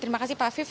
terima kasih pak afif